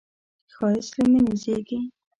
ښایست له مینې زېږي